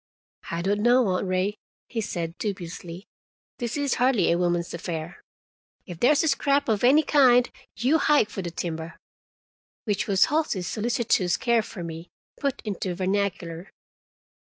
"I don't know, Aunt Ray," he said dubiously; "this is hardly a woman's affair. If there's a scrap of any kind, you hike for the timber." Which was Halsey's solicitous care for me, put into vernacular.